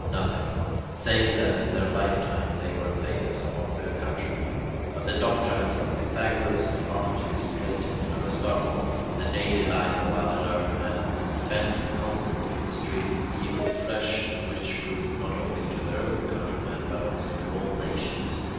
Nothing, save that in their lifetime they were famous among their countrymen. But the doctrines of Pythagoras, Democritus, Plato, and Aristotle, and the daily life of other learned men, spent in constant industry, yield fresh and rich fruit, not only to their own countrymen, but also to all nations.